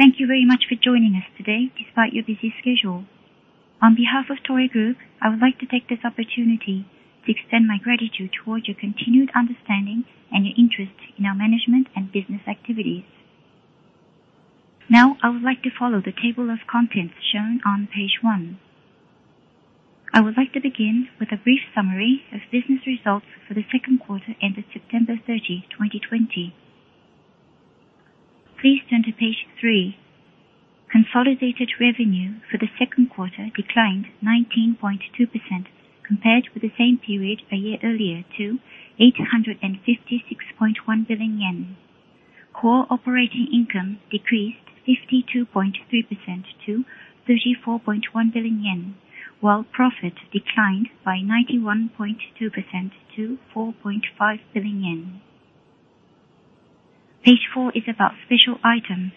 Thank you very much for joining us today despite your busy schedule. On behalf of Toray Group, I would like to take this opportunity to extend my gratitude towards your continued understanding and your interest in our management and business activities. I would like to follow the table of contents shown on page one. I would like to begin with a brief summary of business results for the second quarter ended September 30, 2020. Please turn to page three. Consolidated revenue for the second quarter declined 19.2% compared with the same period a year earlier to 856.1 billion yen. Core operating income decreased 52.3% to 34.1 billion yen, while profit declined by 91.2% to 4.5 billion yen. Page four is about special items.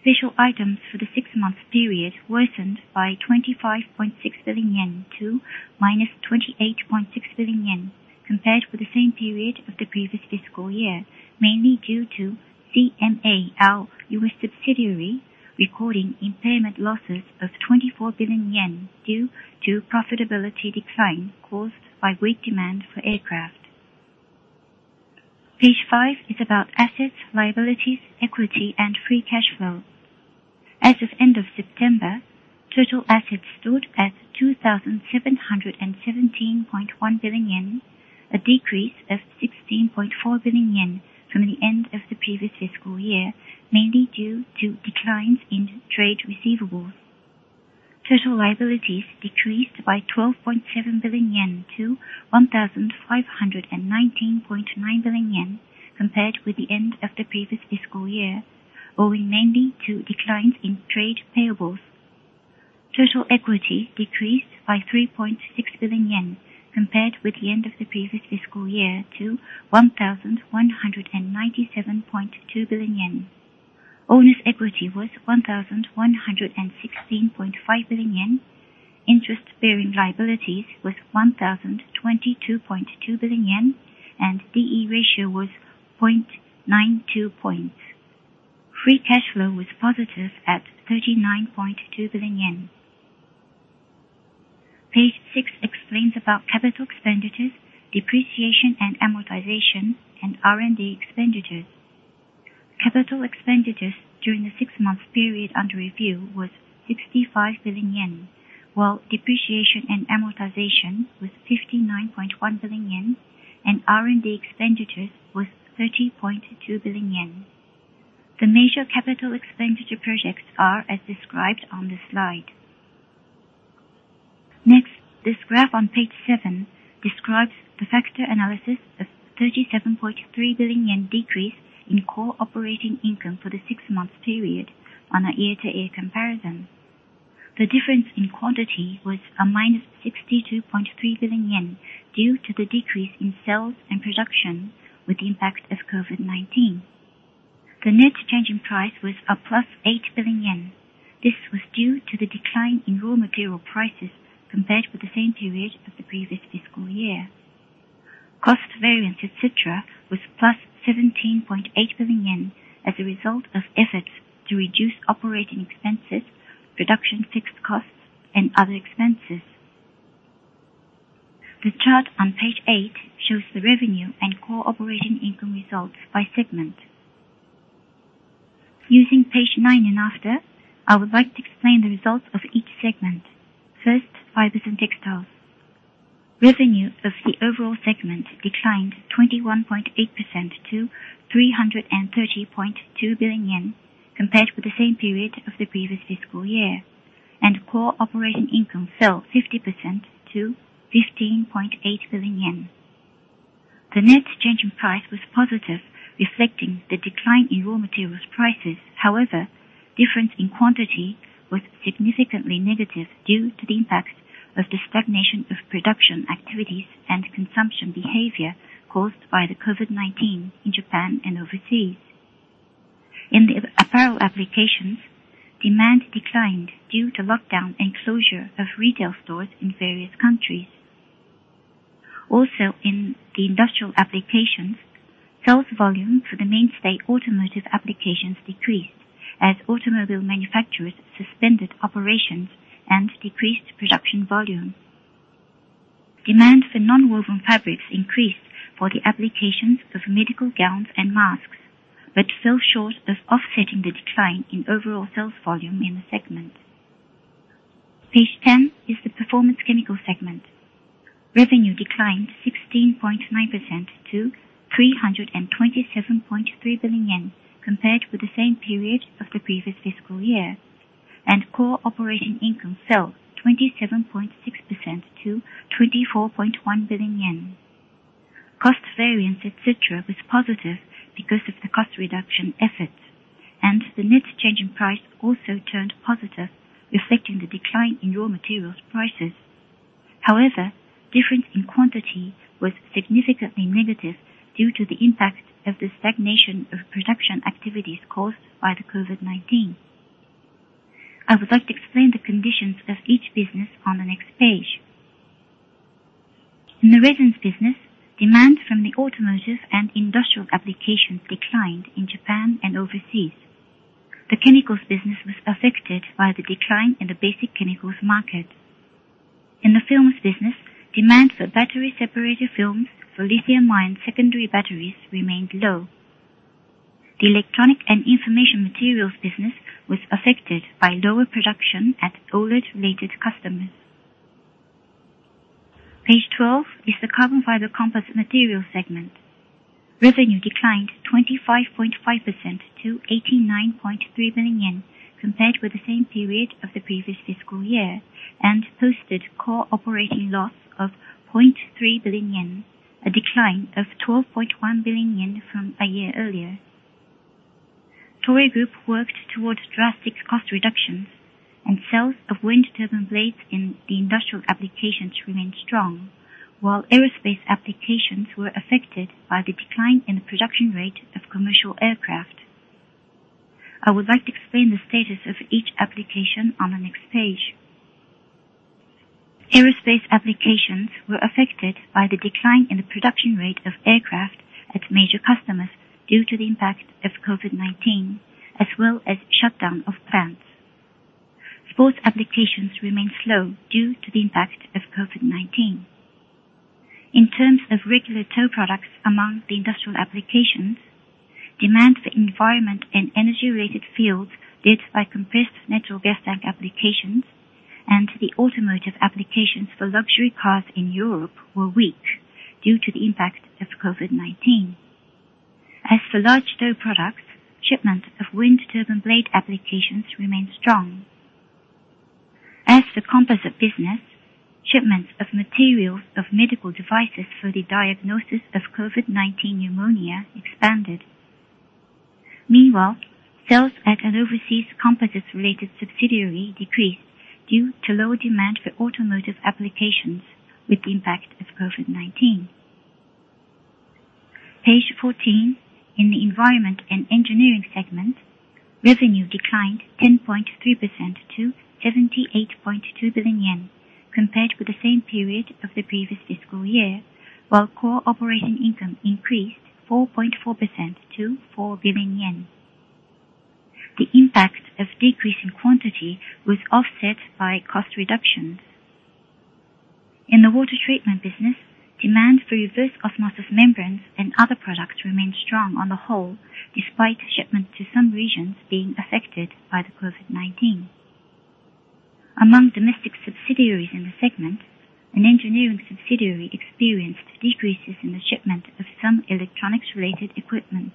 Special items for the six-month period worsened by 25.6 billion yen to -28.6 billion yen compared with the same period of the previous fiscal year, mainly due to CMA, our U.S. subsidiary, recording impairment losses of 24 billion yen due to profitability decline caused by weak demand for aircraft. Page five is about assets, liabilities, equity, and free cash flow. As of end of September, total assets stood at 2,717.1 billion yen, a decrease of 16.4 billion yen from the end of the previous fiscal year, mainly due to declines in trade receivables. Total liabilities decreased by 12.7 billion yen to 1,519.9 billion yen compared with the end of the previous fiscal year, owing mainly to declines in trade payables. Total equity decreased by 3.6 billion yen compared with the end of the previous fiscal year to 1,197.2 billion yen. Owner's equity was 1,116.5 billion yen, interest-bearing liabilities was 1,022.2 billion yen, and D/E ratio was 0.92 points. Free cash flow was positive at 39.2 billion yen. Page six explains about capital expenditures, depreciation and amortization, and R&D expenditures. Capital expenditures during the six-month period under review was 65 billion yen, while depreciation and amortization was 59.1 billion yen and R&D expenditures was 30.2 billion yen. The major capital expenditure projects are as described on the slide. Next, this graph on page seven describes the factor analysis of 37.3 billion yen decrease in core operating income for the six-month period on a year-to-year comparison. The difference in quantity was a -62.3 billion yen due to the decrease in sales and production with the impact of COVID-19. The net change in price was a plus 8 billion yen. This was due to the decline in raw material prices compared with the same period of the previous fiscal year. Cost variance, et cetera, was +17.8 billion yen as a result of efforts to reduce operating expenses, production fixed costs, and other expenses. The chart on page eight shows the revenue and core operating income results by segment. Using page nine and after, I would like to explain the results of each segment. First, Fibers & Textiles. Revenue of the overall segment declined 21.8% to 330.2 billion yen compared with the same period of the previous fiscal year, and core operating income fell 50% to 15.8 billion yen. The net change in price was positive, reflecting the decline in raw materials prices. However, difference in quantity was significantly negative due to the impact of the stagnation of production activities and consumption behavior caused by the COVID-19 in Japan and overseas. In the apparel applications, demand declined due to lockdown and closure of retail stores in various countries. Also, in the industrial applications, sales volume for the mainstay automotive applications decreased as automobile manufacturers suspended operations and decreased production volume. Demand for nonwoven fabrics increased for the applications of medical gowns and masks, fell short of offsetting the decline in overall sales volume in the segment. Page 10 is the Performance Chemicals segment. Revenue declined 16.9% to 327.3 billion yen compared with the same period of the previous fiscal year, core operating income fell 27.6% to 24.1 billion yen. Cost variance, et cetera, was positive because of the cost reduction efforts, the net change in price also turned positive, reflecting the decline in raw materials prices. However, difference in quantity was significantly negative due to the impact of the stagnation of production activities caused by the COVID-19. I would like to explain the conditions of each business on the next page. In the resins business, demand from the automotive and industrial applications declined in Japan and overseas. The chemicals business was affected by the decline in the basic chemicals market. In the films business, demand for battery separator films for lithium-ion secondary batteries remained low. The electronic and information materials business was affected by lower production at OLED-related customers. Page 12 is the Carbon Fiber Composite Materials segment. Revenue declined 25.5% to 89.3 billion yen compared with the same period of the previous fiscal year, and posted core operating loss of 0.3 billion yen, a decline of 12.1 billion yen from a year earlier. Toray Group worked towards drastic cost reductions and sales of wind turbine blades in the industrial applications remained strong, while aerospace applications were affected by the decline in the production rate of commercial aircraft. I would like to explain the status of each application on the next page. Aerospace applications were affected by the decline in the production rate of aircraft at major customers due to the impact of COVID-19, as well as shutdown of plants. Sports applications remain slow due to the impact of COVID-19. In terms of regular tow products among the industrial applications, demand for environment and energy-related fields led by compressed natural gas tank applications and the automotive applications for luxury cars in Europe were weak due to the impact of COVID-19. As for large tow products, shipments of wind turbine blade applications remained strong. As for composite business, shipments of materials of medical devices for the diagnosis of COVID-19 pneumonia expanded. Meanwhile, sales at an overseas composites-related subsidiary decreased due to lower demand for automotive applications with the impact of COVID-19. Page 14, in the Environment & Engineering segment, revenue declined 10.3% to 78.2 billion yen compared with the same period of the previous fiscal year, while core operating income increased 4.4% to 4 billion yen. The impact of decrease in quantity was offset by cost reductions. In the water treatment business, demand for reverse osmosis membranes and other products remained strong on the whole, despite shipment to some regions being affected by the COVID-19. Among domestic subsidiaries in the segment, an engineering subsidiary experienced decreases in the shipment of some electronics-related equipment.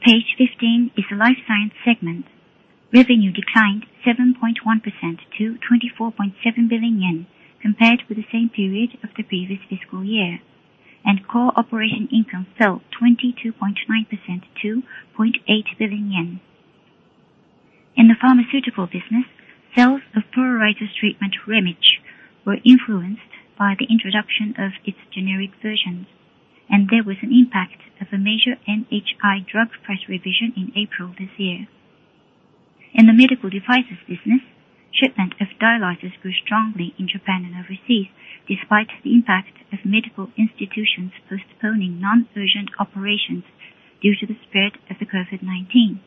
Page 15 is the Life Science segment. Revenue declined 7.1% to 24.7 billion yen compared with the same period of the previous fiscal year, and core operating income fell 22.9% to 0.8 billion yen. In the pharmaceutical business, sales of pruritus treatment REMITCH were influenced by the introduction of its generic versions. There was an impact of a major NHI drug price revision in April this year. In the medical devices business, shipment of dialyzers grew strongly in Japan and overseas, despite the impact of medical institutions postponing non-urgent operations due to the spread of the COVID-19.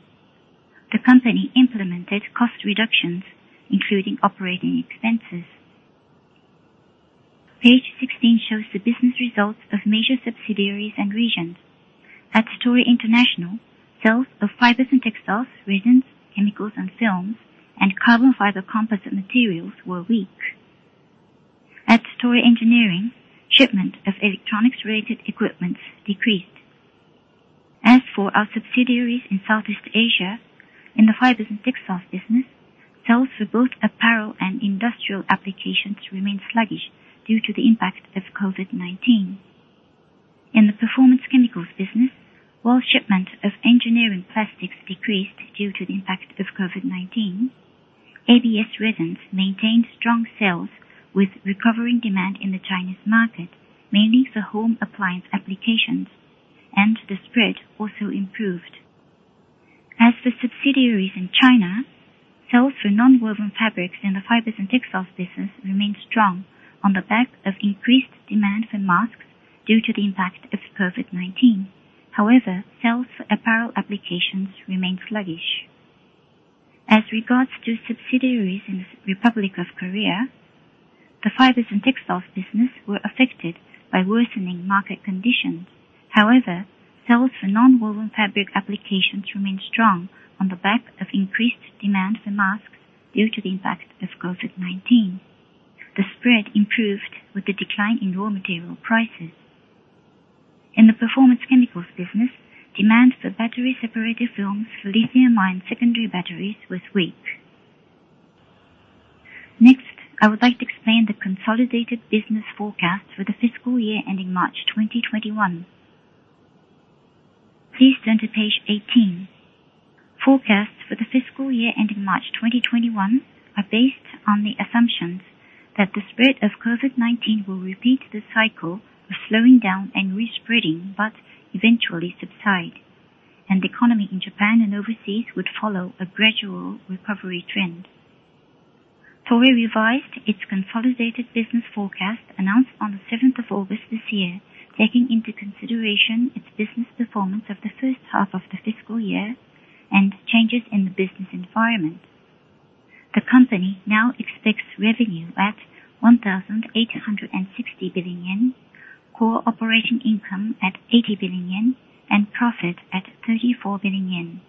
The company implemented cost reductions, including operating expenses. Page 16 shows the business results of major subsidiaries and regions. At Toray International, sales of Fibers & Textiles, resins, chemicals and films, and Carbon Fiber Composite Materials were weak. At Toray Engineering, shipment of electronics-related equipments decreased. As for our subsidiaries in Southeast Asia, in the Fibers & Textiles business, sales for both apparel and industrial applications remained sluggish due to the impact of COVID-19. In the Performance Chemicals business, while shipment of engineering plastics decreased due to the impact of COVID-19, ABS resins maintained strong sales with recovering demand in the Chinese market, mainly for home appliance applications, and the spread also improved. As for subsidiaries in China, sales for nonwoven fabrics in the Fibers & Textiles business remained strong on the back of increased demand for masks due to the impact of COVID-19. Sales for apparel applications remained sluggish. As regards to subsidiaries in the Republic of Korea, the Fibers & Textiles business were affected by worsening market conditions. Sales for nonwoven fabric applications remained strong on the back of increased demand for masks due to the impact of COVID-19. The spread improved with the decline in raw material prices. In the Performance Chemicals business, demand for battery separator films for lithium-ion secondary batteries was weak. Next, I would like to explain the consolidated business forecast for the fiscal year ending March 2021. Please turn to page 18. Forecasts for the fiscal year ending March 2021 are based on the assumptions that the spread of COVID-19 will repeat the cycle of slowing down and re-spreading, but eventually subside, and the economy in Japan and overseas would follow a gradual recovery trend. Toray revised its consolidated business forecast announced on the 7th of August this year, taking into consideration its business performance of the first half of the fiscal year and changes in the business environment. The company now expects revenue at 1,860 billion yen, core operating income at 80 billion yen, and profit at 34 billion yen.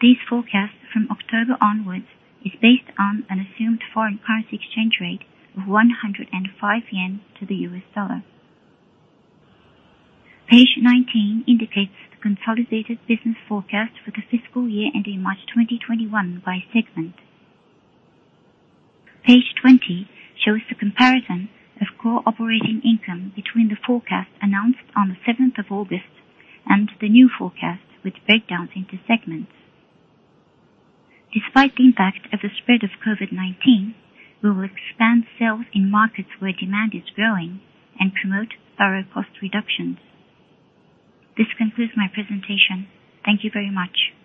These forecasts from October onwards is based on an assumed foreign currency exchange rate of 105 yen to the U.S. dollar. Page 19 indicates the consolidated business forecast for the fiscal year ending March 2021 by segment. Page 20 shows the comparison of core operating income between the forecast announced on the 7th of August and the new forecast, with breakdowns into segments. Despite the impact of the spread of COVID-19, we will expand sales in markets where demand is growing and promote thorough cost reductions. This concludes my presentation. Thank you very much.